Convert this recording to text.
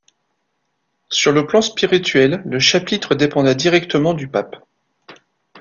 Sur le plan spirituel le chapitre dépendait directement du Pape.